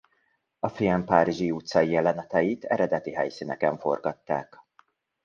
A film párizsi utcai jeleneteit eredeti helyszíneken forgatták.